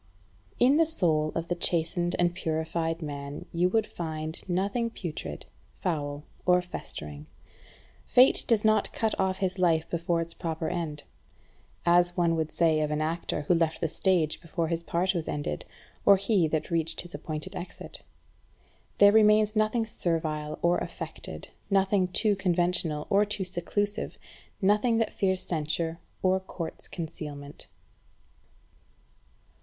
8. In the soul of the chastened and purified man you would find nothing putrid, foul, or festering. Fate does not cut off his life before its proper end; as one would say of an actor who left the stage before his part was ended, or he had reached his appointed exit. There remains nothing servile or affected, nothing too conventional or too seclusive, nothing that fears censure or courts concealment.